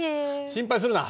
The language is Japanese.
心配するな。